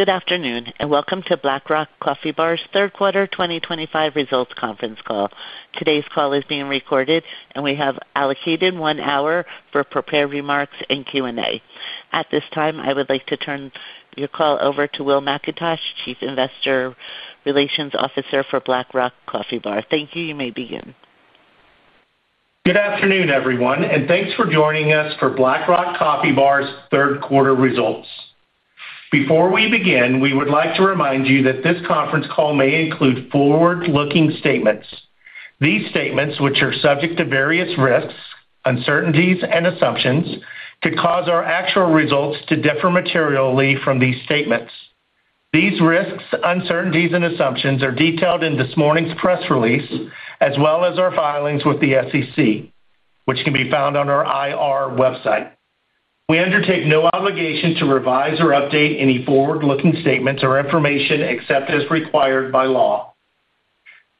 Good afternoon, and welcome to Black Rock Coffee Bar's Third Quarter 2025 Results conference call. Today's call is being recorded, and we have allocated one hour for prepared remarks and Q&A. At this time, I would like to turn your call over to Will McIntosh, Chief Investor Relations Officer for Black Rock Coffee Bar. Thank you. You may begin. Good afternoon, everyone, and thanks for joining us for Black Rock Coffee Bar's Third Quarter Results. Before we begin, we would like to remind you that this conference call may include forward-looking statements. These statements, which are subject to various risks, uncertainties, and assumptions, could cause our actual results to differ materially from these statements. These risks, uncertainties, and assumptions are detailed in this morning's press release, as well as our filings with the SEC, which can be found on our IR website. We undertake no obligation to revise or update any forward-looking statements or information except as required by law.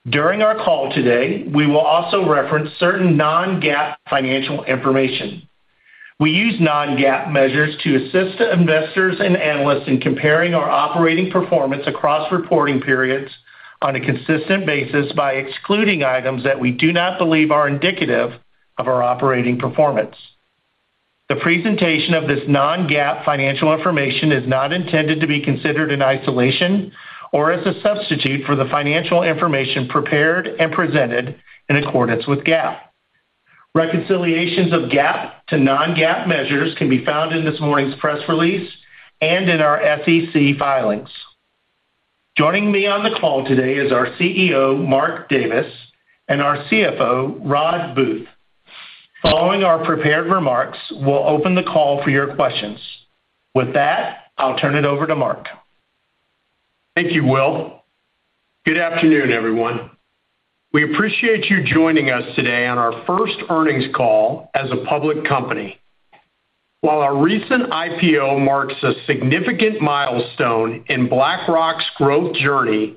During our call today, we will also reference certain non-GAAP financial information. We use non-GAAP measures to assist investors and analysts in comparing our operating performance across reporting periods on a consistent basis by excluding items that we do not believe are indicative of our operating performance. The presentation of this non-GAAP financial information is not intended to be considered in isolation or as a substitute for the financial information prepared and presented in accordance with GAAP. Reconciliations of GAAP to non-GAAP measures can be found in this morning's press release and in our SEC filings. Joining me on the call today is our CEO, Mark Davis, and our CFO, Rodd Booth. Following our prepared remarks, we'll open the call for your questions. With that, I'll turn it over to Mark. Thank you, Will. Good afternoon, everyone. We appreciate you joining us today on our first earnings call as a public company. While our recent IPO marks a significant milestone in Black Rock's growth journey,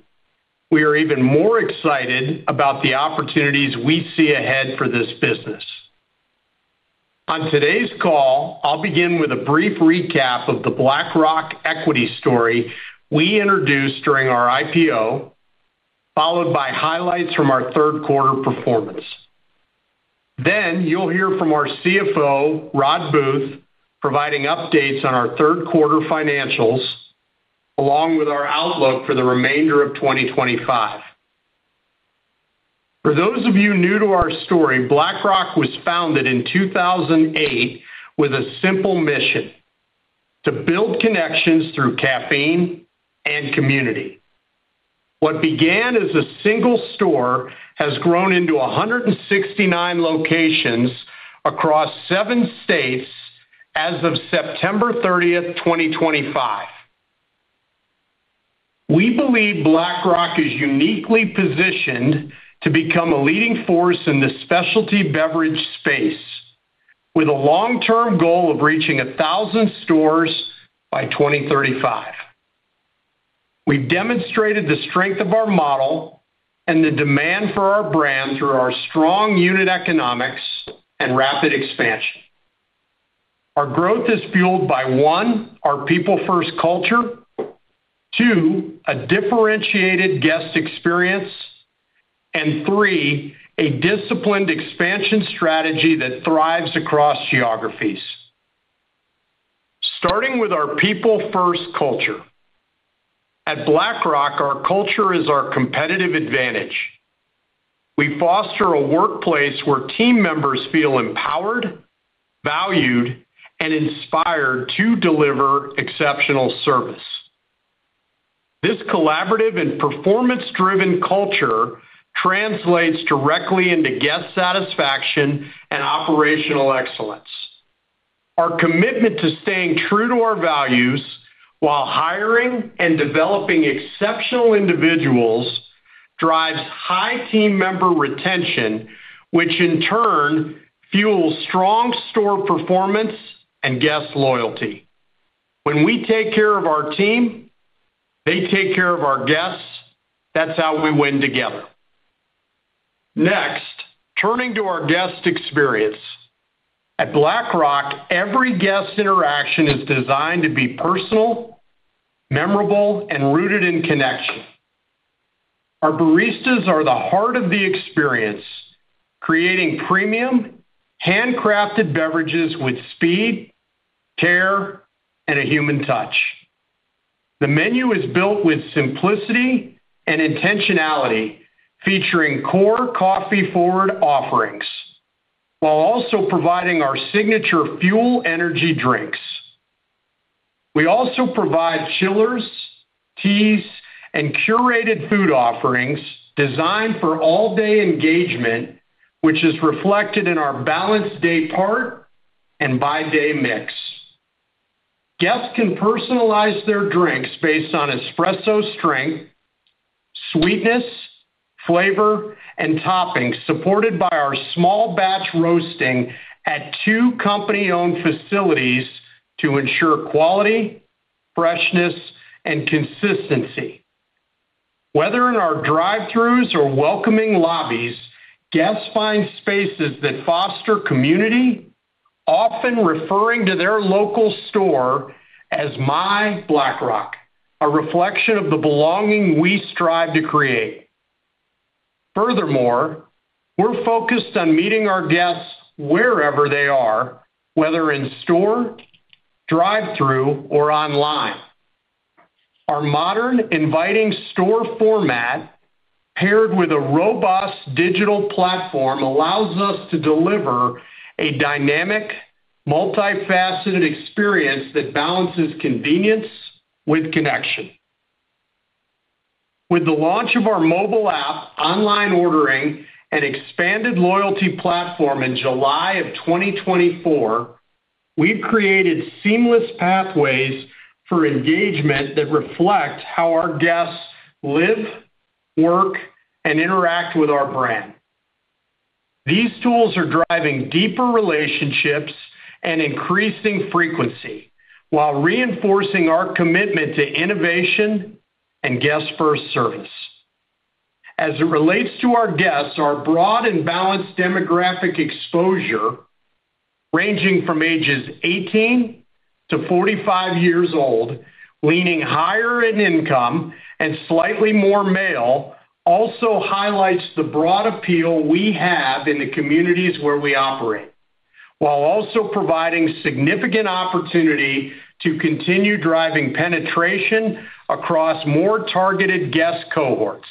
we are even more excited about the opportunities we see ahead for this business. On today's call, I'll begin with a brief recap of the Black Rock equity story we introduced during our IPO, followed by highlights from our third quarter performance. Then you'll hear from our CFO, Rodd Booth, providing updates on our third quarter financials, along with our outlook for the remainder of 2025. For those of you new to our story, Black Rock was founded in 2008 with a simple mission: to build connections through caffeine and community. What began as a single store has grown into 169 locations across seven states as of September 30th, 2025. We believe Black Rock is uniquely positioned to become a leading force in the specialty beverage space, with a long-term goal of reaching 1,000 stores by 2035. We've demonstrated the strength of our model and the demand for our brand through our strong unit economics and rapid expansion. Our growth is fueled by, one, our people-first culture, two, a differentiated guest experience, and three, a disciplined expansion strategy that thrives across geographies. Starting with our people-first culture. At Black Rock, our culture is our competitive advantage. We foster a workplace where team members feel empowered, valued, and inspired to deliver exceptional service. This collaborative and performance-driven culture translates directly into guest satisfaction and operational excellence. Our commitment to staying true to our values while hiring and developing exceptional individuals drives high team member retention, which in turn fuels strong store performance and guest loyalty. When we take care of our team, they take care of our guests. That's how we win together. Next, turning to our guest experience. At Black Rock, every guest interaction is designed to be personal, memorable, and rooted in connection. Our baristas are the heart of the experience, creating premium, handcrafted beverages with speed, care, and a human touch. The menu is built with simplicity and intentionality, featuring core coffee-forward offerings, while also providing our signature Fuel Energy drinks. We also provide Chillers, Teas, and curated food offerings designed for all-day engagement, which is reflected in our balanced day part and by-day mix. Guests can personalize their drinks based on espresso strength, sweetness, flavor, and toppings, supported by our small batch roasting at two company-owned facilities to ensure quality, freshness, and consistency. Whether in our drive-thrus or welcoming lobbies, guests find spaces that foster community, often referring to their local store as "My Black Rock," a reflection of the belonging we strive to create. Furthermore, we're focused on meeting our guests wherever they are, whether in store, drive-thru, or online. Our modern, inviting store format, paired with a robust digital platform, allows us to deliver a dynamic, multifaceted experience that balances convenience with connection. With the launch of our mobile app, online ordering, and expanded loyalty platform in July of 2024, we've created seamless pathways for engagement that reflect how our guests live, work, and interact with our brand. These tools are driving deeper relationships and increasing frequency, while reinforcing our commitment to innovation and guest-first service. As it relates to our guests, our broad and balanced demographic exposure, ranging from ages 18 years old-45 years old, leaning higher in income and slightly more male, also highlights the broad appeal we have in the communities where we operate, while also providing significant opportunity to continue driving penetration across more targeted guest cohorts.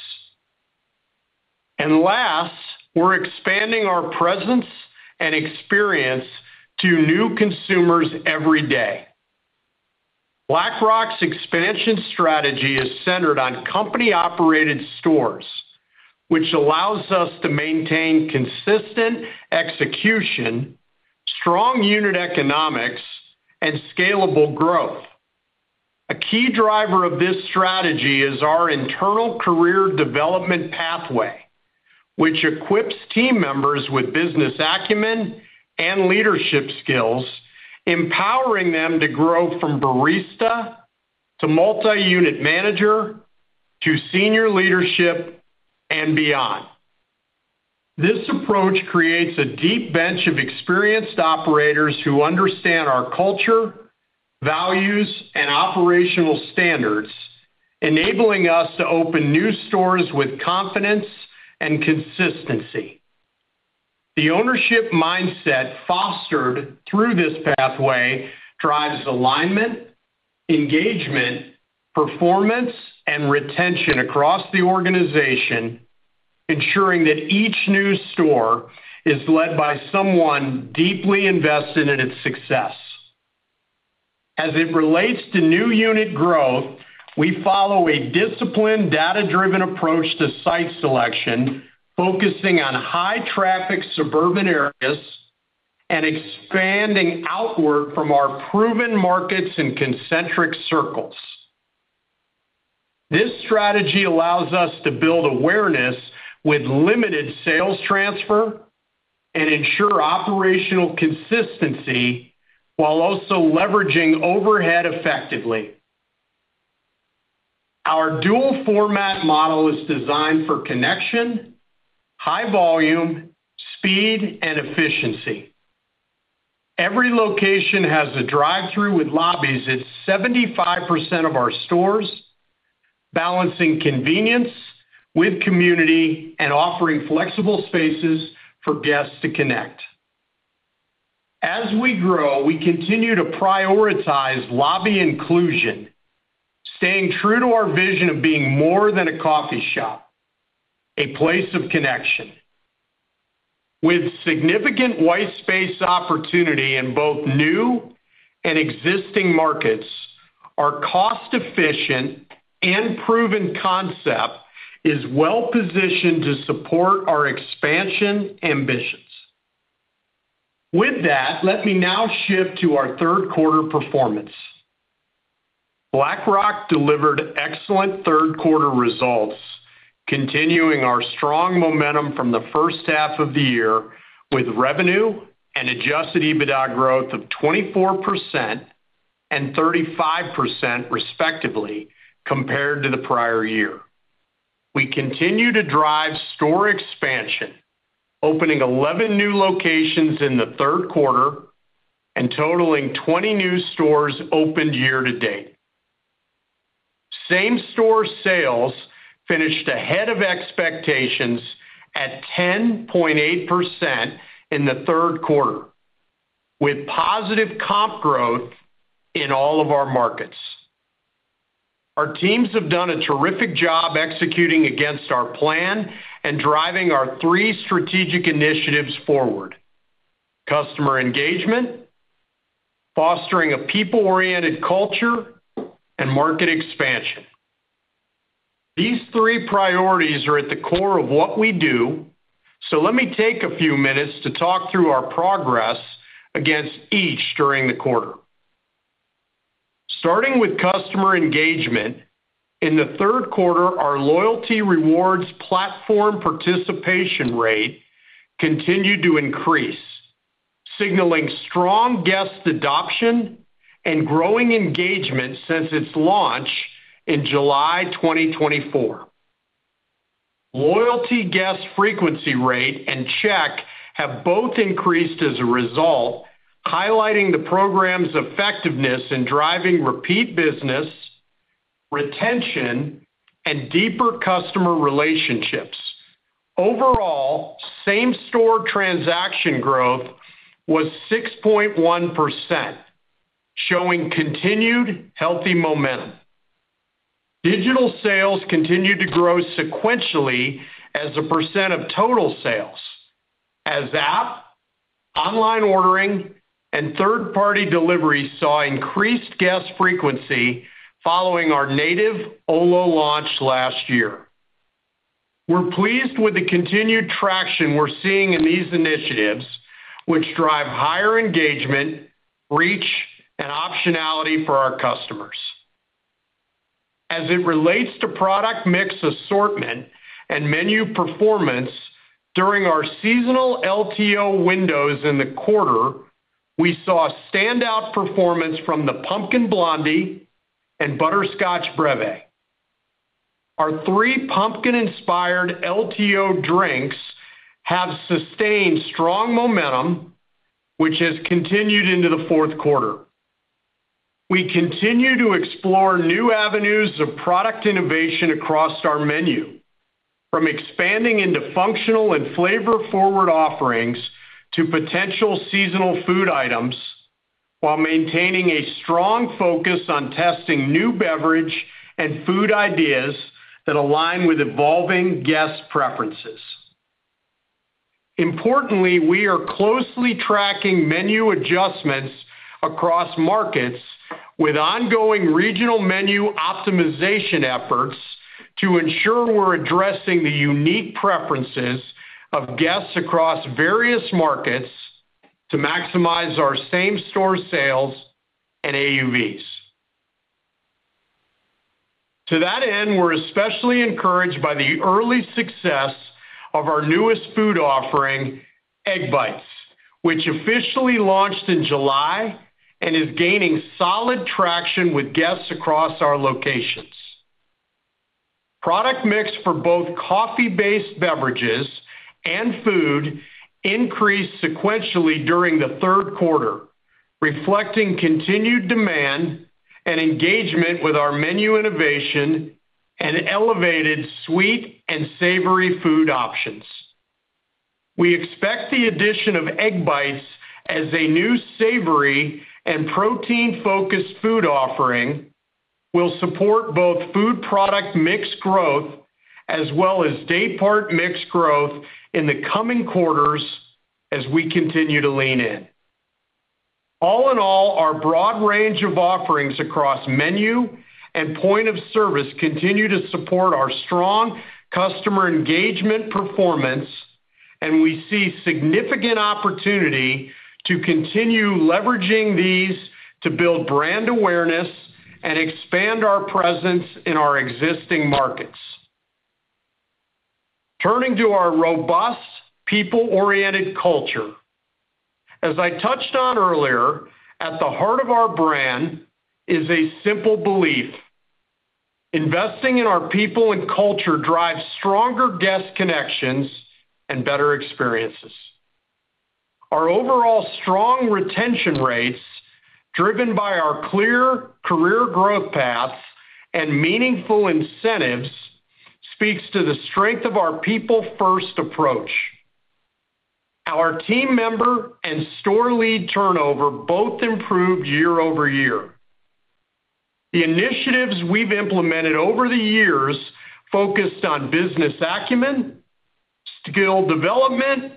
Last, we're expanding our presence and experience to new consumers every day. Black Rock's expansion strategy is centered on company-operated stores, which allows us to maintain consistent execution, strong unit economics, and scalable growth. A key driver of this strategy is our internal career development pathway, which equips team members with business acumen and leadership skills, empowering them to grow from barista to multi-unit manager to senior leadership and beyond. This approach creates a deep bench of experienced operators who understand our culture, values, and operational standards, enabling us to open new stores with confidence and consistency. The ownership mindset fostered through this pathway drives alignment, engagement, performance, and retention across the organization, ensuring that each new store is led by someone deeply invested in its success. As it relates to new unit growth, we follow a disciplined, data-driven approach to site selection, focusing on high-traffic suburban areas and expanding outward from our proven markets and concentric circles. This strategy allows us to build awareness with limited sales transfer and ensure operational consistency while also leveraging overhead effectively. Our dual-format model is designed for connection, high volume, speed, and efficiency. Every location has a drive-thru with lobbies at 75% of our stores, balancing convenience with community and offering flexible spaces for guests to connect. As we grow, we continue to prioritize lobby inclusion, staying true to our vision of being more than a coffee shop, a place of connection. With significant white space opportunity in both new and existing markets, our cost-efficient and proven concept is well-positioned to support our expansion ambitions. With that, let me now shift to our third quarter performance. Black Rock delivered excellent third-quarter results, continuing our strong momentum from the first half of the year with revenue and adjusted EBITDA growth of 24% and 35%, respectively, compared to the prior year. We continue to drive store expansion, opening 11 new locations in the third quarter and totaling 20 new stores opened year to date. Same-store sales finished ahead of expectations at 10.8% in the third quarter, with positive comp growth in all of our markets. Our teams have done a terrific job executing against our plan and driving our three strategic initiatives forward: customer engagement, fostering a people-oriented culture, and market expansion. These three priorities are at the core of what we do, so let me take a few minutes to talk through our progress against each during the quarter. Starting with customer engagement, in the third quarter, our loyalty rewards platform participation rate continued to increase, signaling strong guest adoption and growing engagement since its launch in July 2024. Loyalty guest frequency rate and check have both increased as a result, highlighting the program's effectiveness in driving repeat business, retention, and deeper customer relationships. Overall, same-store transaction growth was 6.1%, showing continued healthy momentum. Digital sales continued to grow sequentially as a percent of total sales, as app, online ordering, and third-party deliveries saw increased guest frequency following our native Olo launch last year. We're pleased with the continued traction we're seeing in these initiatives, which drive higher engagement, reach, and optionality for our customers. As it relates to product mix assortment and menu performance, during our seasonal LTO windows in the quarter, we saw standout performance from the Pumpkin Blondie and Butterscotch Breve. Our three pumpkin-inspired LTO drinks have sustained strong momentum, which has continued into the fourth quarter. We continue to explore new avenues of product innovation across our menu, from expanding into functional and flavor-forward offerings to potential seasonal food items, while maintaining a strong focus on testing new beverage and food ideas that align with evolving guest preferences. Importantly, we are closely tracking menu adjustments across markets with ongoing regional menu optimization efforts to ensure we're addressing the unique preferences of guests across various markets to maximize our same-store sales and AUVs. To that end, we're especially encouraged by the early success of our newest food offering, Egg Bites, which officially launched in July and is gaining solid traction with guests across our locations. Product mix for both coffee-based beverages and food increased sequentially during the third quarter, reflecting continued demand and engagement with our menu innovation and elevated sweet and savory food options. We expect the addition of Egg Bites as a new savory and protein-focused food offering will support both food product mix growth as well as daypart mix growth in the coming quarters as we continue to lean in. All in all, our broad range of offerings across menu and point of service continue to support our strong customer engagement performance, and we see significant opportunity to continue leveraging these to build brand awareness and expand our presence in our existing markets. Turning to our robust, people-oriented culture, as I touched on earlier, at the heart of our brand is a simple belief: investing in our people and culture drives stronger guest connections and better experiences. Our overall strong retention rates, driven by our clear career growth paths and meaningful incentives, speak to the strength of our people-first approach. Our team member and store lead turnover both improved year-over-year. The initiatives we have implemented over the years focused on business acumen, skill development,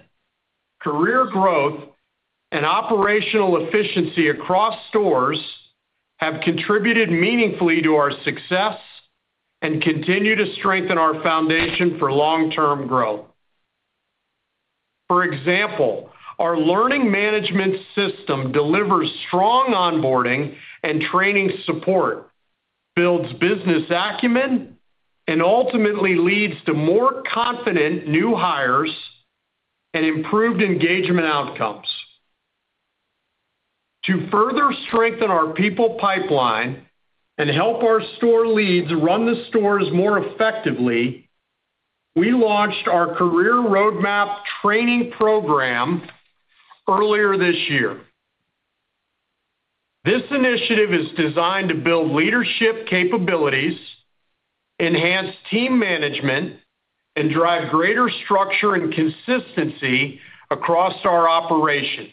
career growth, and operational efficiency across stores have contributed meaningfully to our success and continue to strengthen our foundation for long-term growth. For example, our learning management system delivers strong onboarding and training support, builds business acumen, and ultimately leads to more confident new hires and improved engagement outcomes. To further strengthen our people pipeline and help our store leads run the stores more effectively, we launched our career roadmap training program earlier this year. This initiative is designed to build leadership capabilities, enhance team management, and drive greater structure and consistency across our operations,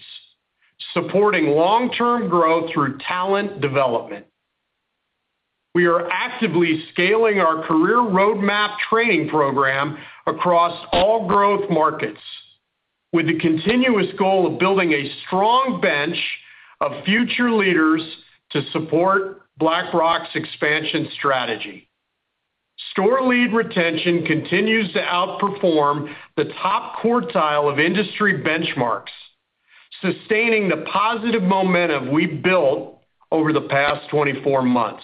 supporting long-term growth through talent development. We are actively scaling our career roadmap training program across all growth markets, with the continuous goal of building a strong bench of future leaders to support Black Rock's expansion strategy. Store lead retention continues to outperform the top quartile of industry benchmarks, sustaining the positive momentum we've built over the past 24 months.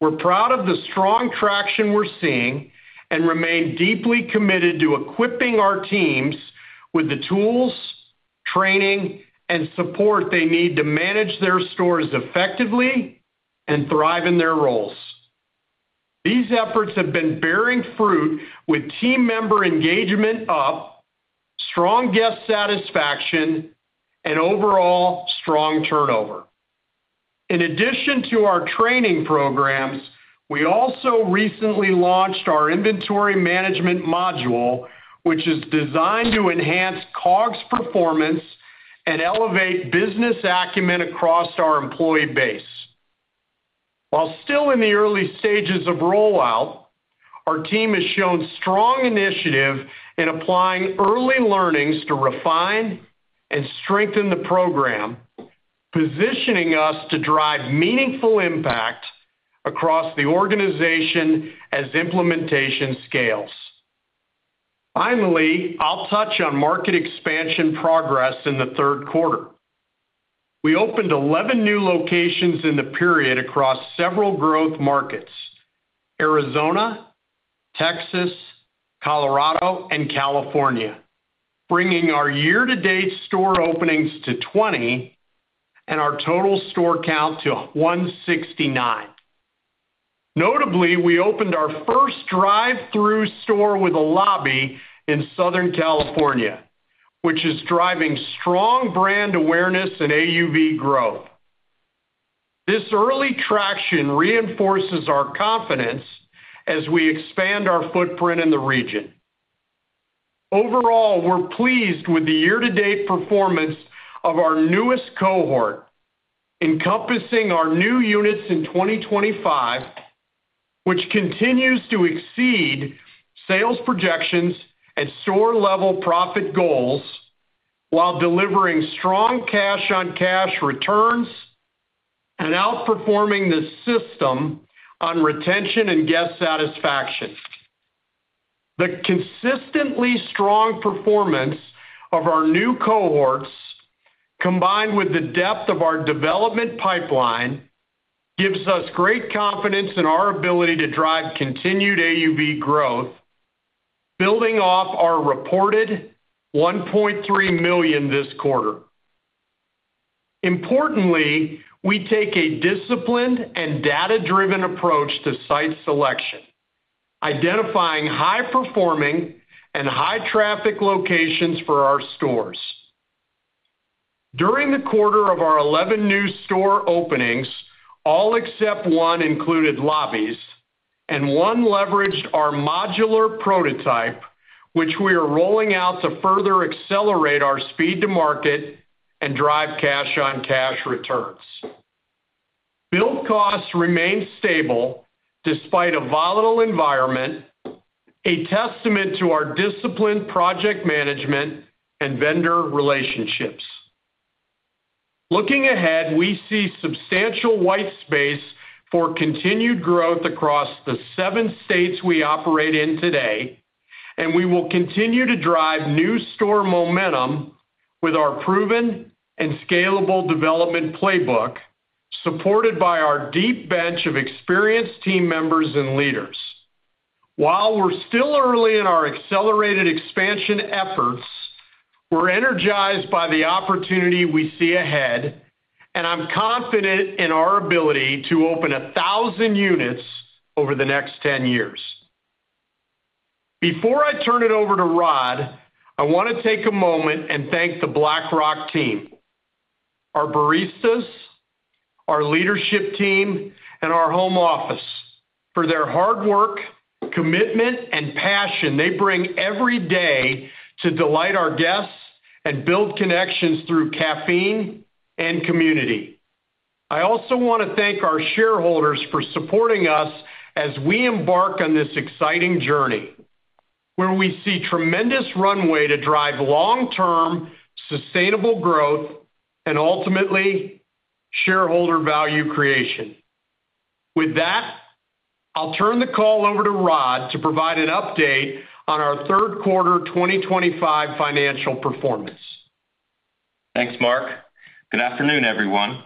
We're proud of the strong traction we're seeing and remain deeply committed to equipping our teams with the tools, training, and support they need to manage their stores effectively and thrive in their roles. These efforts have been bearing fruit with team member engagement up, strong guest satisfaction, and overall strong turnover. In addition to our training programs, we also recently launched our inventory management module, which is designed to enhance COGS performance and elevate business acumen across our employee base. While still in the early stages of rollout, our team has shown strong initiative in applying early learnings to refine and strengthen the program, positioning us to drive meaningful impact across the organization as implementation scales. Finally, I'll touch on market expansion progress in the third quarter. We opened 11 new locations in the period across several growth markets: Arizona, Texas, Colorado, and California, bringing our year-to-date store openings to 20 and our total store count to 169. Notably, we opened our first drive-thru store with a lobby in Southern California, which is driving strong brand awareness and AUV growth. This early traction reinforces our confidence as we expand our footprint in the region. Overall, we're pleased with the year-to-date performance of our newest cohort, encompassing our new units in 2025, which continues to exceed sales projections and store-level profit goals while delivering strong cash-on-cash returns and outperforming the system on retention and guest satisfaction. The consistently strong performance of our new cohorts, combined with the depth of our development pipeline, gives us great confidence in our ability to drive continued AUV growth, building off our reported $1.3 million this quarter. Importantly, we take a disciplined and data-driven approach to site selection, identifying high-performing and high-traffic locations for our stores. During the quarter of our 11 new store openings, all except one included lobbies, and one leveraged our modular prototype, which we are rolling out to further accelerate our speed to market and drive cash-on-cash returns. Bill costs remain stable despite a volatile environment, a testament to our disciplined project management and vendor relationships. Looking ahead, we see substantial white space for continued growth across the seven states we operate in today, and we will continue to drive new store momentum with our proven and scalable development playbook, supported by our deep bench of experienced team members and leaders. While we're still early in our accelerated expansion efforts, we're energized by the opportunity we see ahead, and I'm confident in our ability to open 1,000 units over the next 10 years. Before I turn it over to Rodd, I want to take a moment and thank the Black Rock team, our baristas, our leadership team, and our home office for their hard work, commitment, and passion they bring every day to delight our guests and build connections through caffeine and community. I also want to thank our shareholders for supporting us as we embark on this exciting journey, where we see tremendous runway to drive long-term sustainable growth and ultimately shareholder value creation. With that, I'll turn the call over to Rodd to provide an update on our third quarter 2025 financial performance. Thanks, Mark. Good afternoon, everyone.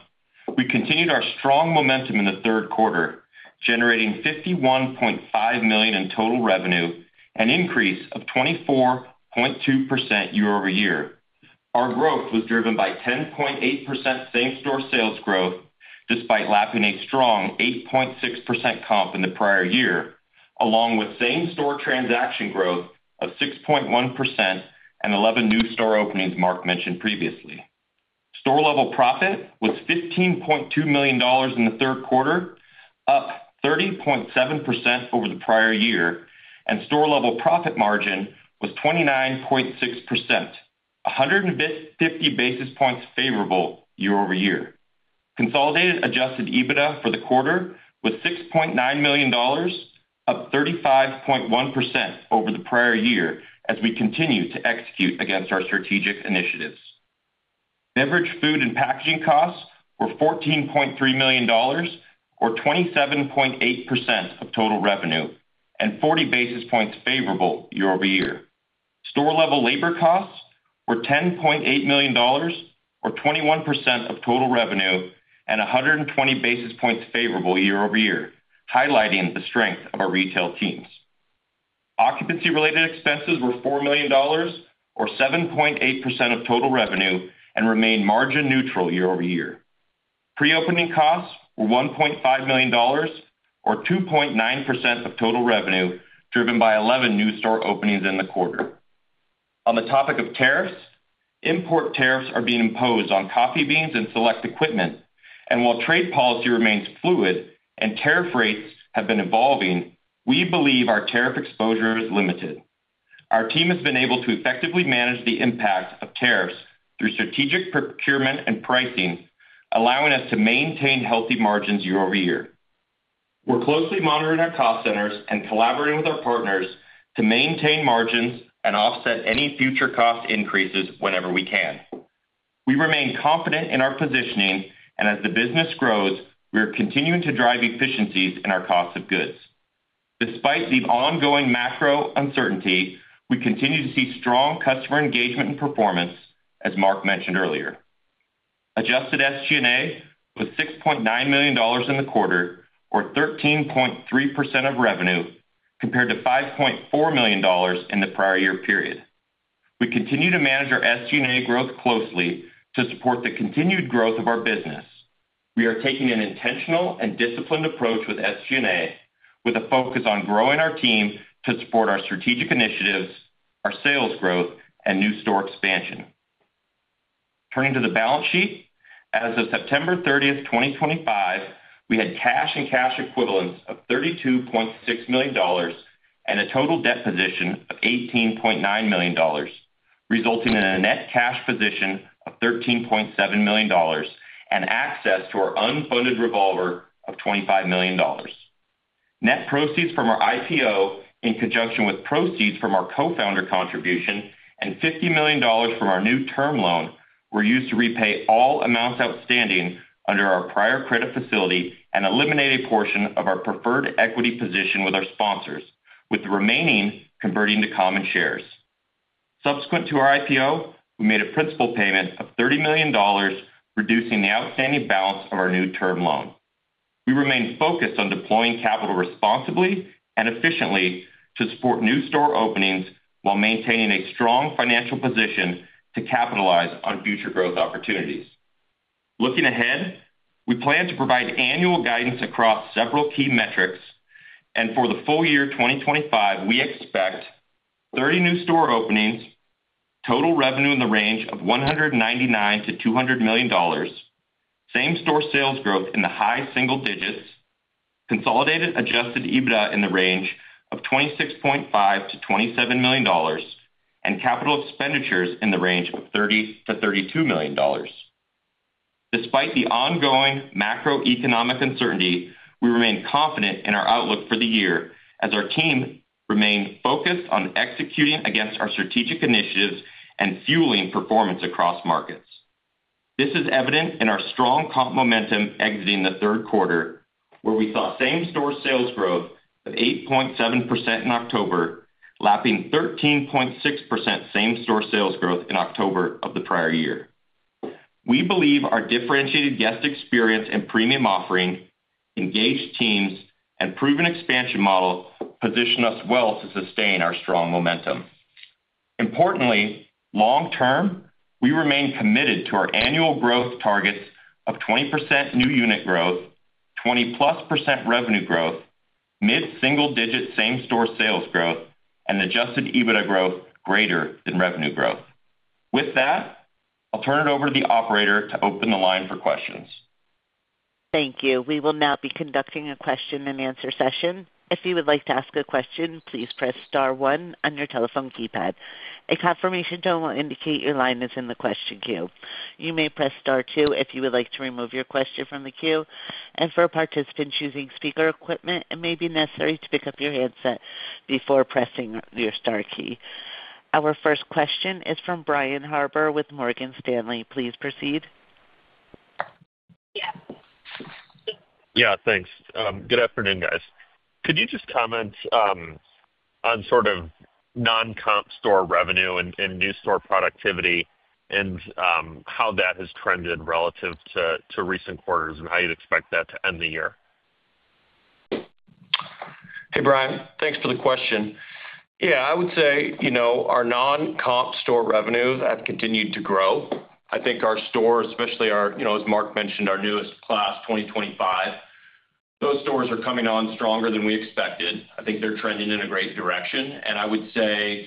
We continued our strong momentum in the third quarter, generating $51.5 million in total revenue and an increase of 24.2% year-over-year. Our growth was driven by 10.8% same-store sales growth, despite lapping a strong 8.6% comp in the prior year, along with same-store transaction growth of 6.1% and 11 new store openings, Mark mentioned previously. Store-level profit was $15.2 million in the third quarter, up 30.7% over the prior year, and store-level profit margin was 29.6%, 150 basis points favorable year-over-year. Consolidated adjusted EBITDA for the quarter was $6.9 million, up 35.1% over the prior year as we continue to execute against our strategic initiatives. Beverage, food, and packaging costs were $14.3 million, or 27.8% of total revenue, and 40 basis points favorable year-over-year. Store-level labor costs were $10.8 million, or 21% of total revenue, and 120 basis points favorable year-over-year, highlighting the strength of our retail teams. Occupancy-related expenses were $4 million, or 7.8% of total revenue, and remained margin-neutral year-over-year. Pre-opening costs were $1.5 million, or 2.9% of total revenue, driven by 11 new store openings in the quarter. On the topic of tariffs, import tariffs are being imposed on coffee beans and select equipment, and while trade policy remains fluid and tariff rates have been evolving, we believe our tariff exposure is limited. Our team has been able to effectively manage the impact of tariffs through strategic procurement and pricing, allowing us to maintain healthy margins year-over-year. We are closely monitoring our cost centers and collaborating with our partners to maintain margins and offset any future cost increases whenever we can. We remain confident in our positioning, and as the business grows, we are continuing to drive efficiencies in our cost of goods. Despite the ongoing macro uncertainty, we continue to see strong customer engagement and performance, as Mark mentioned earlier. Adjusted SG&A was $6.9 million in the quarter, or 13.3% of revenue, compared to $5.4 million in the prior year period. We continue to manage our SG&A growth closely to support the continued growth of our business. We are taking an intentional and disciplined approach with SG&A, with a focus on growing our team to support our strategic initiatives, our sales growth, and new store expansion. Turning to the balance sheet, as of September 30th, 2025, we had cash and cash equivalents of $32.6 million and a total debt position of $18.9 million, resulting in a net cash position of $13.7 million and access to our unfunded revolver of $25 million. Net proceeds from our IPO, in conjunction with proceeds from our co-founder contribution and $50 million from our new term loan, were used to repay all amounts outstanding under our prior credit facility and eliminate a portion of our preferred equity position with our sponsors, with the remaining converting to common shares. Subsequent to our IPO, we made a principal payment of $30 million, reducing the outstanding balance of our new term loan. We remain focused on deploying capital responsibly and efficiently to support new store openings while maintaining a strong financial position to capitalize on future growth opportunities. Looking ahead, we plan to provide annual guidance across several key metrics, and for the full year 2025, we expect 30 new store openings, total revenue in the range of $199 million-$200 million, same-store sales growth in the high single digits, consolidated adjusted EBITDA in the range of $26.5 million-$27 million, and capital expenditures in the range of $30 million-$32 million. Despite the ongoing macroeconomic uncertainty, we remain confident in our outlook for the year as our team remained focused on executing against our strategic initiatives and fueling performance across markets. This is evident in our strong comp momentum exiting the third quarter, where we saw same-store sales growth of 8.7% in October, lapping 13.6% same-store sales growth in October of the prior year. We believe our differentiated guest experience and premium offering, engaged teams, and proven expansion model position us well to sustain our strong momentum. Importantly, long-term, we remain committed to our annual growth targets of 20% new unit growth, 20%+ revenue growth, mid-single-digit same-store sales growth, and adjusted EBITDA growth greater than revenue growth. With that, I'll turn it over to the operator to open the line for questions. Thank you. We will now be conducting a question-and-answer session. If you would like to ask a question, please press star one on your telephone keypad. A confirmation tone will indicate your line is in the question queue. You may press star two if you would like to remove your question from the queue. For participants using speaker equipment, it may be necessary to pick up your handset before pressing your star key. Our first question is from Brian Harbour with Morgan Stanley. Please proceed. Yeah, thanks. Good afternoon, guys. Could you just comment on sort of non-comp store revenue and new store productivity and how that has trended relative to recent quarters and how you'd expect that to end the year? Hey, Brian. Thanks for the question. Yeah, I would say our non-comp store revenue has continued to grow. I think our stores, especially our, as Mark mentioned, our newest class, 2025, those stores are coming on stronger than we expected. I think they're trending in a great direction. I would say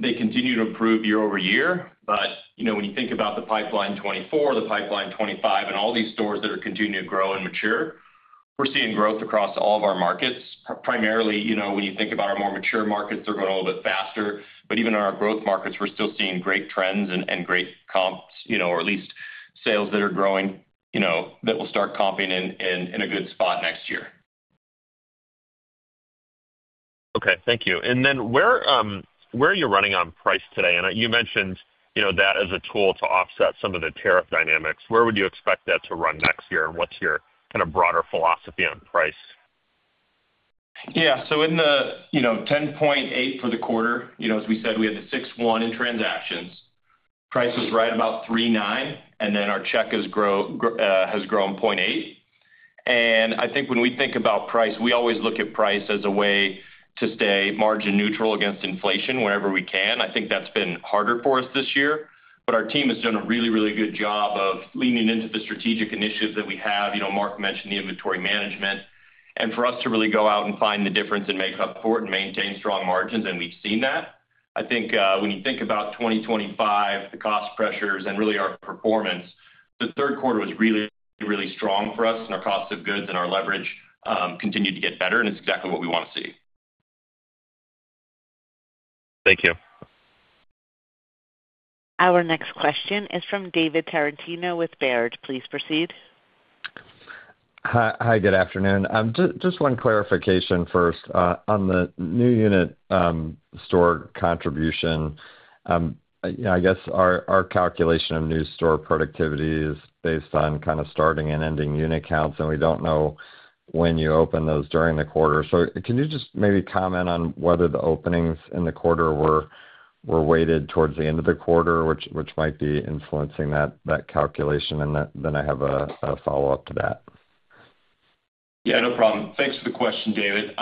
they continue to improve year-over-year. When you think about the pipeline 2024, the pipeline 2025, and all these stores that are continuing to grow and mature, we're seeing growth across all of our markets. Primarily, when you think about our more mature markets, they're growing a little bit faster. Even in our growth markets, we're still seeing great trends and great comps, or at least sales that are growing that will start comping in a good spot next year. Okay, thank you. Where are you running on price today? You mentioned that as a tool to offset some of the tariff dynamics. Where would you expect that to run next year, and what's your kind of broader philosophy on price? Yeah, so in the 10.8% for the quarter, as we said, we had the 6.1% in transactions. Price was right about 3.9%, and then our check has grown 0.8%. I think when we think about price, we always look at price as a way to stay margin-neutral against inflation whenever we can. I think that's been harder for us this year. Our team has done a really, really good job of leaning into the strategic initiatives that we have. Mark mentioned the inventory management. For us to really go out and find the difference and make up for it and maintain strong margins, and we've seen that. I think when you think about 2025, the cost pressures, and really our performance, the third quarter was really, really strong for us, and our cost of goods and our leverage continued to get better, and it's exactly what we want to see. Thank you. Our next question is from David Tarantino with Baird. Please proceed. Hi, good afternoon. Just one clarification first. On the new unit store contribution, I guess our calculation of new store productivity is based on kind of starting and ending unit counts, and we do not know when you open those during the quarter. Can you just maybe comment on whether the openings in the quarter were weighted towards the end of the quarter, which might be influencing that calculation? I have a follow-up to that. Yeah, no problem. Thanks for the question, David.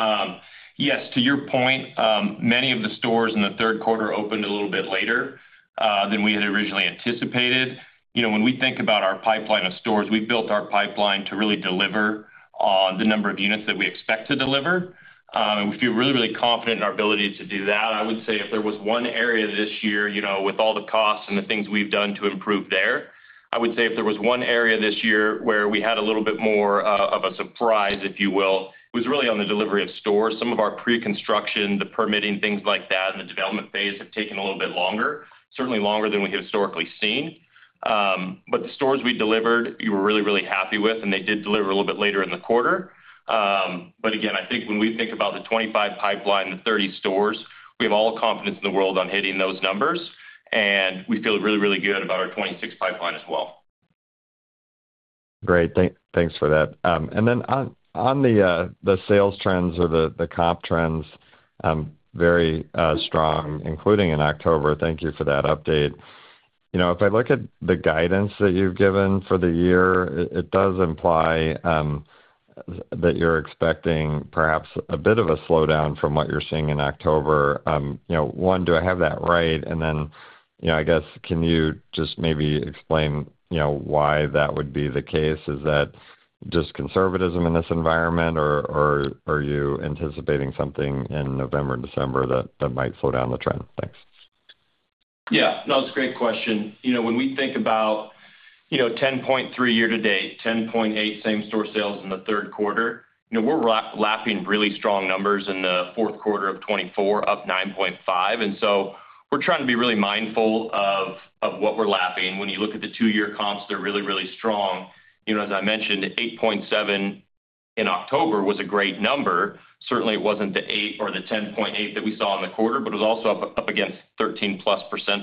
Yes, to your point, many of the stores in the third quarter opened a little bit later than we had originally anticipated. When we think about our pipeline of stores, we built our pipeline to really deliver on the number of units that we expect to deliver. We feel really, really confident in our ability to do that. I would say if there was one area this year, with all the costs and the things we've done to improve there, I would say if there was one area this year where we had a little bit more of a surprise, if you will, it was really on the delivery of stores. Some of our pre-construction, the permitting, things like that, and the development phase have taken a little bit longer, certainly longer than we have historically seen. The stores we delivered, we were really, really happy with, and they did deliver a little bit later in the quarter. Again, I think when we think about the 2025 pipeline, the 30 stores, we have all confidence in the world on hitting those numbers, and we feel really, really good about our 2026 pipeline as well. Great. Thanks for that. On the sales trends or the comp trends, very strong, including in October. Thank you for that update. If I look at the guidance that you've given for the year, it does imply that you're expecting perhaps a bit of a slowdown from what you're seeing in October. One, do I have that right? Can you just maybe explain why that would be the case? Is that just conservatism in this environment, or are you anticipating something in November and December that might slow down the trend? Thanks. Yeah. No, it's a great question. When we think about 10.3% year-to-date, 10.8% same-store sales in the third quarter, we're lapping really strong numbers in the fourth quarter of 2024, up 9.5%. We're trying to be really mindful of what we're lapping. When you look at the two-year comps, they're really, really strong. As I mentioned, 8.7% in October was a great number. Certainly, it was not the 8% or the 10.8% that we saw in the quarter, but it was also up against 13%+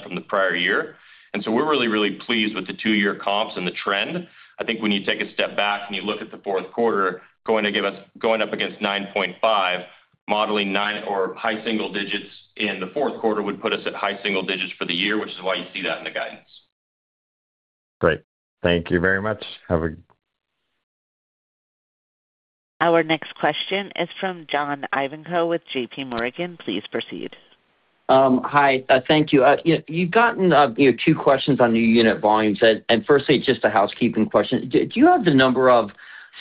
from the prior year. We are really, really pleased with the two-year comps and the trend. I think when you take a step back and you look at the fourth quarter, going up against 9.5%, modeling or high single digits in the fourth quarter would put us at high single digits for the year, which is why you see that in the guidance. Great. Thank you very much. Have a good. Our next question is from John Ivankoe with JPMorgan. Please proceed. Hi. Thank you. You have gotten two questions on new unit volumes. Firstly, just a housekeeping question. Do you have the number of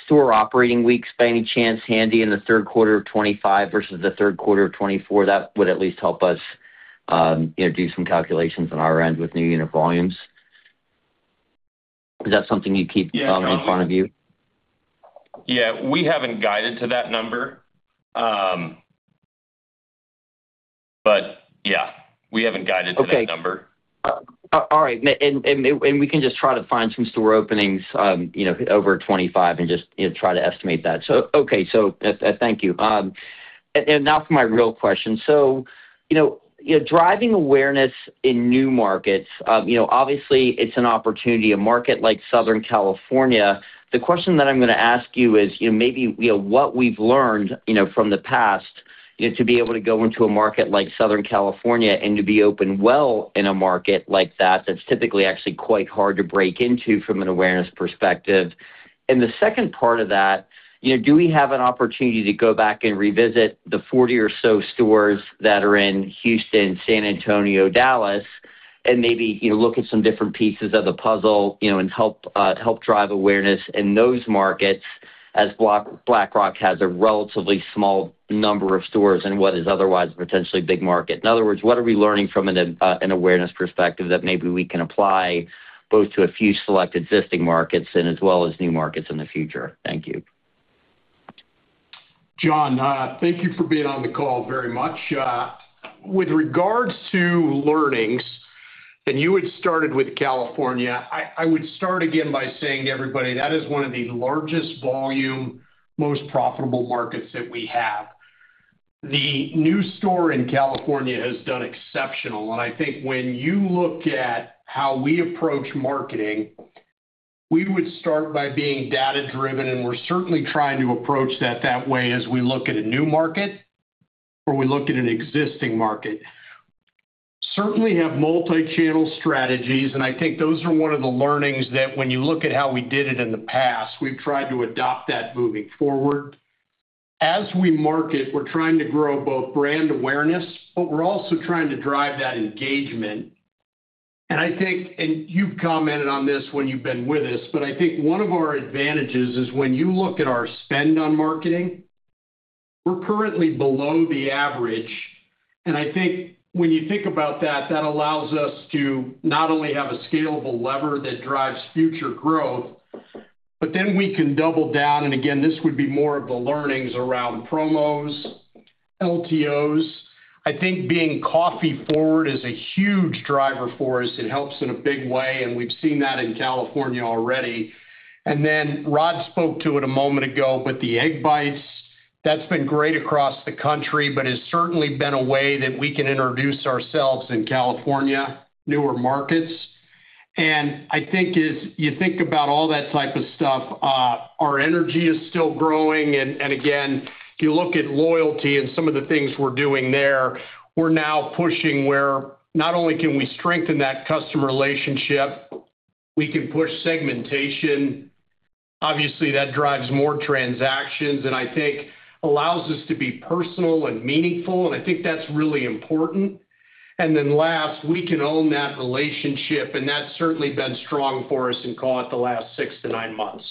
store operating weeks, by any chance, handy in the third quarter of 2025 versus the third quarter of 2024? That would at least help us do some calculations on our end with new unit volumes. Is that something you keep in front of you? Yeah. We haven't guided to that number. Okay. All right. We can just try to find some store openings over 2025 and just try to estimate that. Thank you. Now for my real question. Driving awareness in new markets, obviously, it's an opportunity. A market like Southern California, the question that I'm going to ask you is maybe what we've learned from the past to be able to go into a market like Southern California and to be open well in a market like that that's typically actually quite hard to break into from an awareness perspective. The second part of that, do we have an opportunity to go back and revisit the 40 or so stores that are in Houston, San Antonio, Dallas, and maybe look at some different pieces of the puzzle and help drive awareness in those markets as Black Rock has a relatively small number of stores in what is otherwise a potentially big market? In other words, what are we learning from an awareness perspective that maybe we can apply both to a few select existing markets as well as new markets in the future? Thank you. John, thank you for being on the call very much. With regards to learnings, and you had started with California, I would start again by saying to everybody that is one of the largest volume, most profitable markets that we have. The new store in California has done exceptional. I think when you look at how we approach marketing, we would start by being data-driven, and we're certainly trying to approach that that way as we look at a new market or we look at an existing market. Certainly have multi-channel strategies, and I think those are one of the learnings that when you look at how we did it in the past, we've tried to adopt that moving forward. As we market, we're trying to grow both brand awareness, but we're also trying to drive that engagement. I think, and you've commented on this when you've been with us, I think one of our advantages is when you look at our spend on marketing, we're currently below the average. I think when you think about that, that allows us to not only have a scalable lever that drives future growth, but then we can double down. This would be more of the learnings around promos, LTOs. I think being coffee-forward is a huge driver for us. It helps in a big way, and we've seen that in California already. Rodd spoke to it a moment ago with the Egg Bites. That's been great across the country, but it's certainly been a way that we can introduce ourselves in California, newer markets. I think as you think about all that type of stuff, our energy is still growing. If you look at loyalty and some of the things we're doing there, we're now pushing where not only can we strengthen that customer relationship, we can push segmentation. Obviously, that drives more transactions and I think allows us to be personal and meaningful. I think that's really important. Last, we can own that relationship, and that's certainly been strong for us in, call it, the last six to nine months.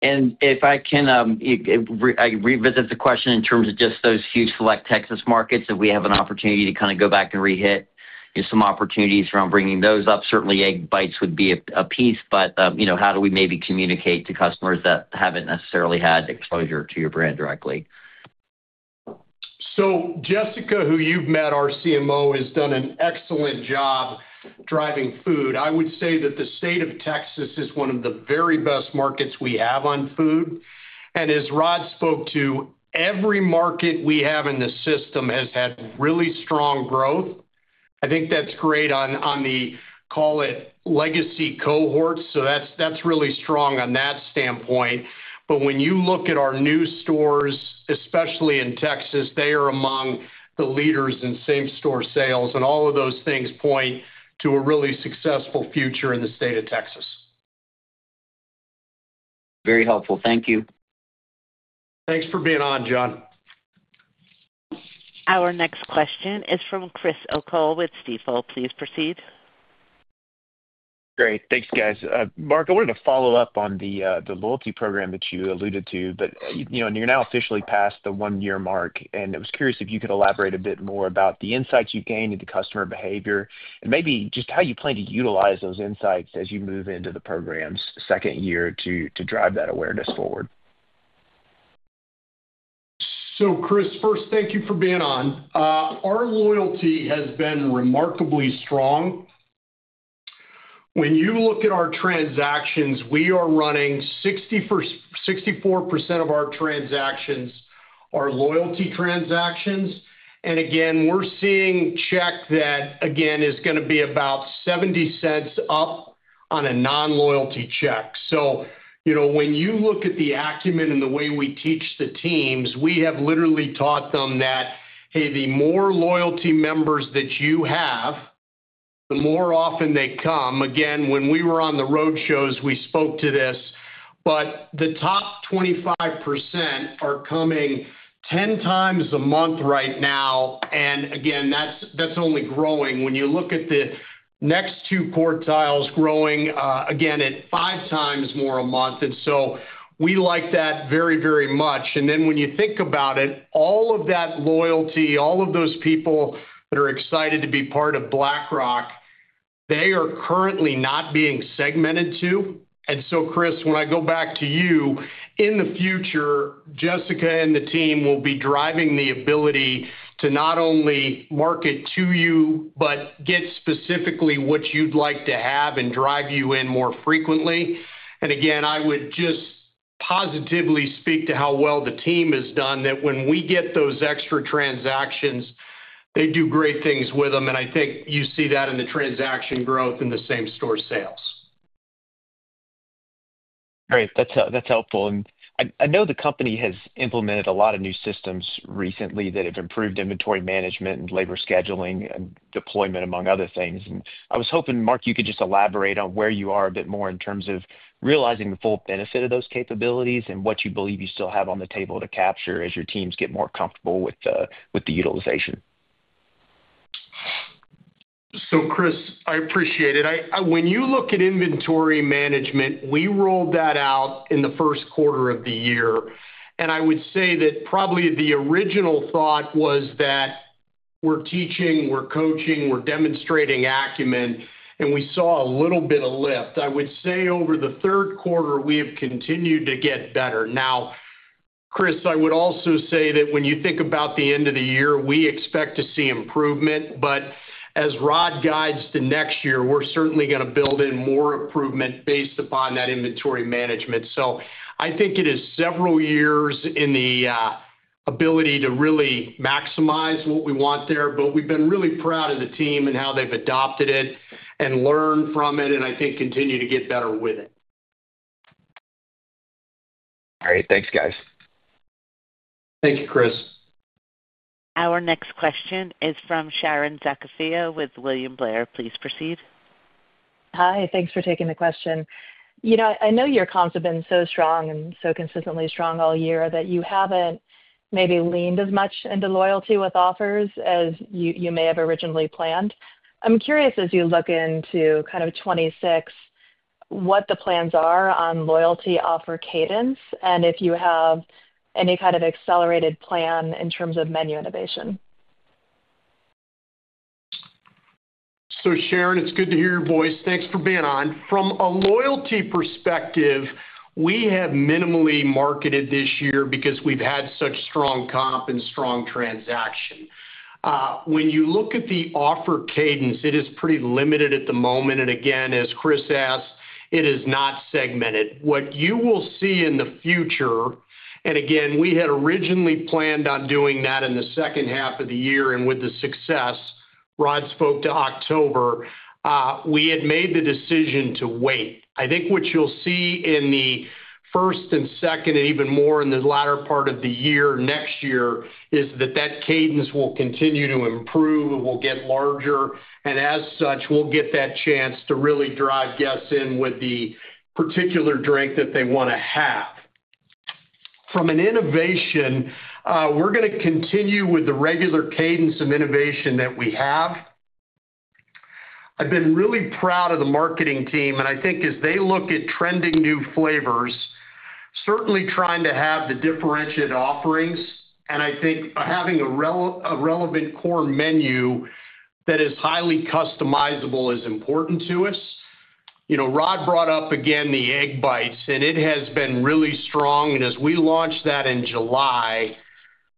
If I can revisit the question in terms of just those few select Texas markets that we have an opportunity to kind of go back and re-hit some opportunities around bringing those up, certainly Egg Bites would be a piece, but how do we maybe communicate to customers that haven't necessarily had exposure to your brand directly? Jessica, who you've met, our CMO, has done an excellent job driving food. I would say that the state of Texas is one of the very best markets we have on food. And as Rodd spoke to, every market we have in the system has had really strong growth. I think that's great on the, call it, legacy cohorts. So that's really strong on that standpoint. But when you look at our new stores, especially in Texas, they are among the leaders in same-store sales, and all of those things point to a really successful future in the state of Texas. Very helpful. Thank you. Thanks for being on, John. Our next question is from Chris O'Cull with Stifel. Please proceed. Great. Thanks, guys. Mark, I wanted to follow up on the loyalty program that you alluded to, but you're now officially past the one-year mark, and I was curious if you could elaborate a bit more about the insights you've gained in the customer behavior and maybe just how you plan to utilize those insights as you move into the program's second year to drive that awareness forward. Chris, first, thank you for being on. Our loyalty has been remarkably strong. When you look at our transactions, we are running 64% of our transactions are loyalty transactions. Again, we're seeing check that, again, is going to be about $0.70 up on a non-loyalty check. When you look at the acumen and the way we teach the teams, we have literally taught them that, hey, the more loyalty members that you have, the more often they come. Again, when we were on the road shows, we spoke to this, but the top 25% are coming 10x a month right now. That is only growing. When you look at the next two quartiles growing at 5x more a month, we like that very, very much. When you think about it, all of that loyalty, all of those people that are excited to be part of Black Rock, they are currently not being segmented to. Chris, when I go back to you, in the future, Jessica and the team will be driving the ability to not only market to you, but get specifically what you'd like to have and drive you in more frequently. I would just positively speak to how well the team has done that when we get those extra transactions, they do great things with them. I think you see that in the transaction growth in the same-store sales. Great. That's helpful. I know the company has implemented a lot of new systems recently that have improved inventory management and labor scheduling and deployment, among other things. I was hoping, Mark, you could just elaborate on where you are a bit more in terms of realizing the full benefit of those capabilities and what you believe you still have on the table to capture as your teams get more comfortable with the utilization. Chris, I appreciate it. When you look at inventory management, we rolled that out in the first quarter of the year. I would say that probably the original thought was that we're teaching, we're coaching, we're demonstrating acumen, and we saw a little bit of lift. I would say over the third quarter, we have continued to get better. Now, Chris, I would also say that when you think about the end of the year, we expect to see improvement. As Rodd guides to next year, we're certainly going to build in more improvement based upon that inventory management. I think it is several years in the ability to really maximize what we want there, but we've been really proud of the team and how they've adopted it and learned from it, and I think continue to get better with it. All right. Thanks, guys. Thank you, Chris. Our next question is from Sharon Zackfia with William Blair. Please proceed. Hi. Thanks for taking the question. I know your comps have been so strong and so consistently strong all year that you have not maybe leaned as much into loyalty with offers as you may have originally planned. I am curious, as you look into kind of 2026, what the plans are on loyalty offer cadence and if you have any kind of accelerated plan in terms of menu innovation. Sharon, it is good to hear your voice. Thanks for being on. From a loyalty perspective, we have minimally marketed this year because we have had such strong comp and strong transaction. When you look at the offer cadence, it is pretty limited at the moment. Again, as Chris asked, it is not segmented. What you will see in the future, and again, we had originally planned on doing that in the second half of the year, and with the success Rodd spoke to in October, we had made the decision to wait. I think what you'll see in the first and second, and even more in the latter part of the year next year, is that that cadence will continue to improve. It will get larger. As such, we'll get that chance to really drive guests in with the particular drink that they want to have. From an innovation, we're going to continue with the regular cadence of innovation that we have. I've been really proud of the marketing team, and I think as they look at trending new flavors, certainly trying to have the differentiated offerings. I think having a relevant core menu that is highly customizable is important to us. Rodd brought up again the Egg Bites, and it has been really strong. As we launched that in July,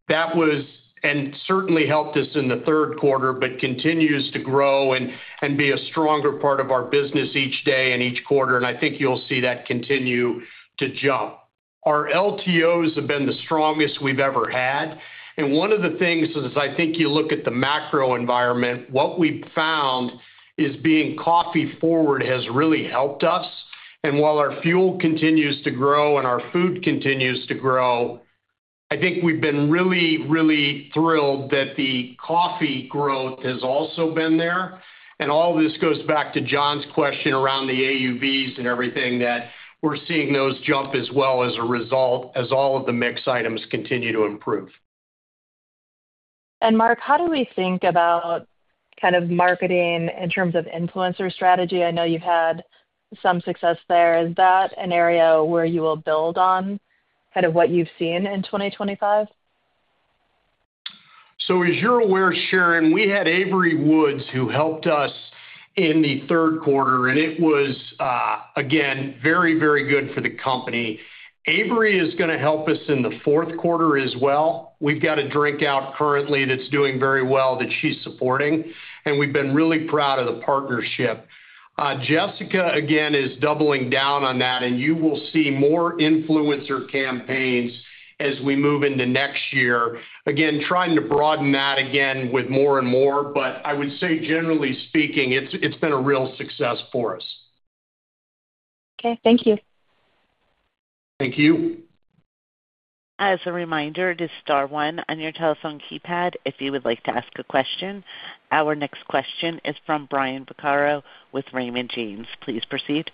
that was and certainly helped us in the third quarter, but continues to grow and be a stronger part of our business each day and each quarter. I think you'll see that continue to jump. Our LTOs have been the strongest we've ever had. One of the things is I think you look at the macro environment, what we've found is being coffee-forward has really helped us. While our Fuel Energy continues to grow and our food continues to grow, I think we've been really, really thrilled that the coffee growth has also been there. All of this goes back to John's question around the AUVs and everything that we're seeing those jump as well as a result as all of the mixed items continue to improve. Mark, how do we think about kind of marketing in terms of influencer strategy? I know you've had some success there. Is that an area where you will build on kind of what you've seen in 2025? As you're aware, Sharon, we had Avery Woods who helped us in the third quarter, and it was, again, very, very good for the company. Avery is going to help us in the fourth quarter as well. We've got a drink out currently that's doing very well that she's supporting, and we've been really proud of the partnership. Jessica, again, is doubling down on that, and you will see more influencer campaigns as we move into next year. Again, trying to broaden that again with more and more, but I would say, generally speaking, it's been a real success for us. Okay. Thank you. Thank you. As a reminder, this star one on your telephone keypad if you would like to ask a question. Our next question is from Brian Vaccaro with Raymond James. Please proceed.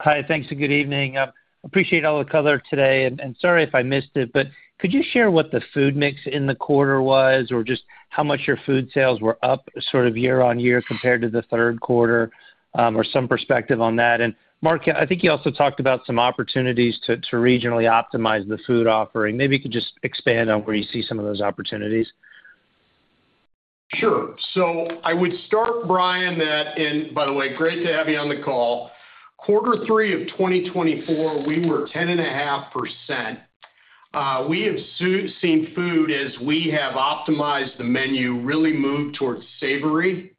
Hi. Thanks and good evening. Appreciate all the color today. Sorry if I missed it, but could you share what the food mix in the quarter was or just how much your food sales were up sort of year-on-year compared to the third quarter or some perspective on that? Mark, I think you also talked about some opportunities to regionally optimize the food offering. Maybe you could just expand on where you see some of those opportunities. Sure. I would start, Brian, that, and by the way, great to have you on the call. Quarter three of 2024, we were 10.5%. We have seen food, as we have optimized the menu, really move towards savory.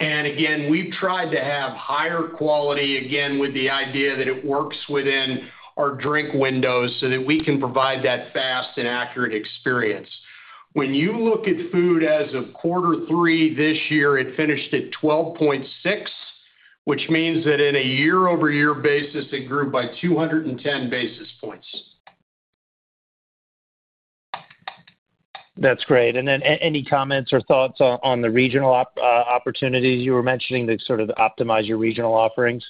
Again, we've tried to have higher quality, with the idea that it works within our drink windows so that we can provide that fast and accurate experience. When you look at food as of quarter three this year, it finished at 12.6%, which means that on a year-over-year basis, it grew by 210 basis points. That's great. Any comments or thoughts on the regional opportunities you were mentioning to sort of optimize your regional offerings?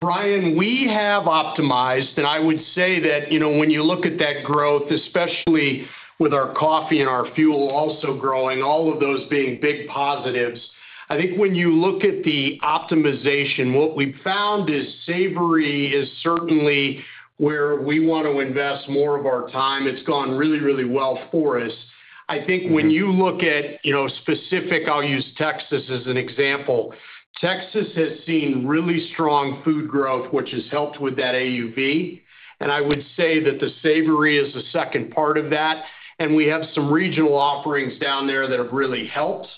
Brian, we have optimized, and I would say that when you look at that growth, especially with our coffee and our Fuel Energy also growing, all of those being big positives, I think when you look at the optimization, what we've found is savory is certainly where we want to invest more of our time. It's gone really, really well for us. I think when you look at specific, I'll use Texas as an example. Texas has seen really strong food growth, which has helped with that AUV. I would say that the savory is a second part of that. We have some regional offerings down there that have really helped.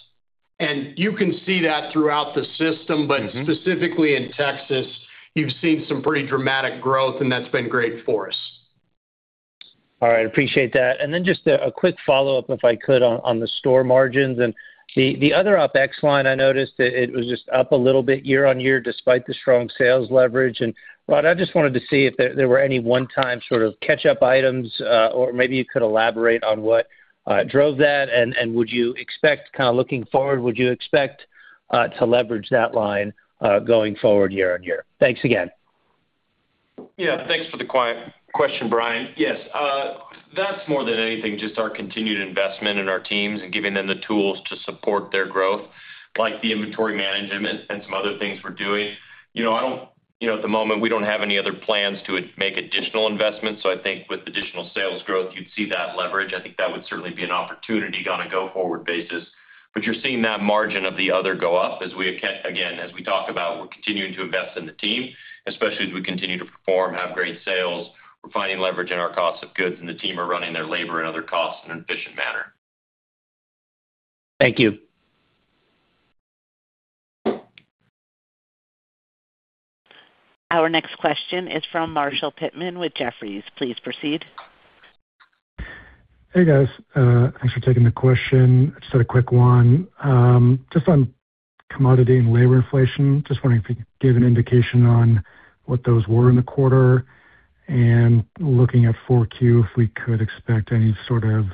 You can see that throughout the system, but specifically in Texas, you've seen some pretty dramatic growth, and that's been great for us. All right. Appreciate that. Then just a quick follow-up, if I could, on the store margins. The other OpEx line, I noticed that it was just up a little bit year-on-year despite the strong sales leverage. Rodd, I just wanted to see if there were any one-time sort of catch-up items, or maybe you could elaborate on what drove that, and would you expect kind of looking forward, would you expect to leverage that line going forward year-on-year? Thanks again. Yeah. Thanks for the question, Brian. Yes. That is more than anything, just our continued investment in our teams and giving them the tools to support their growth, like the inventory management and some other things we are doing. I do not know at the moment, we do not have any other plans to make additional investments. I think with additional sales growth, you would see that leverage. I think that would certainly be an opportunity on a go-forward basis. You are seeing that margin of the other go up. Again, as we talk about, we're continuing to invest in the team, especially as we continue to perform, have great sales. We're finding leverage in our cost of goods, and the team are running their labor and other costs in an efficient manner. Thank you. Our next question is from Marshall Pittman with Jefferies. Please proceed. Hey, guys. Thanks for taking the question. Just had a quick one. Just on commodity and labor inflation, just wondering if you could give an indication on what those were in the quarter. And looking at 4Q, if we could expect any sort of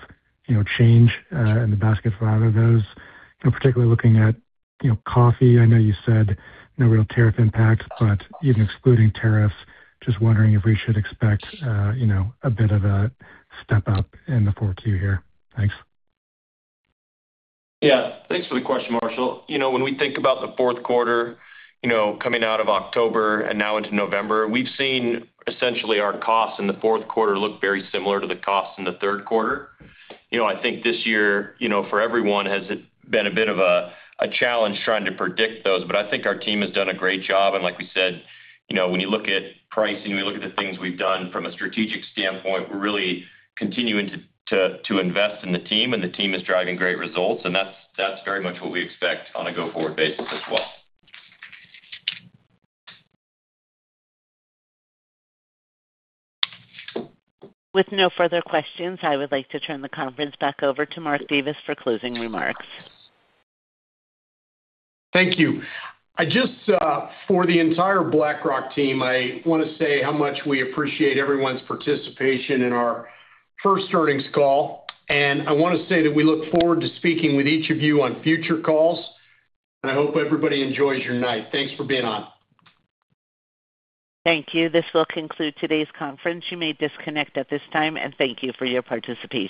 change in the basket for either of those, particularly looking at coffee. I know you said no real tariff impacts, but even excluding tariffs, just wondering if we should expect a bit of a step up in the 4Q here. Thanks. Yeah. Thanks for the question, Marshall. When we think about the fourth quarter coming out of October and now into November, we've seen essentially our costs in the fourth quarter look very similar to the costs in the third quarter. I think this year, for everyone, has been a bit of a challenge trying to predict those. I think our team has done a great job. Like we said, when you look at pricing, we look at the things we've done from a strategic standpoint, we're really continuing to invest in the team, and the team is driving great results. That's very much what we expect on a go-forward basis as well. With no further questions, I would like to turn the conference back over to Mark Davis for closing remarks. Thank you. Just for the entire Black Rock team, I want to say how much we appreciate everyone's participation in our first earnings call. I want to say that we look forward to speaking with each of you on future calls. I hope everybody enjoys your night. Thanks for being on. Thank you. This will conclude today's conference. You may disconnect at this time, and thank you for your participation.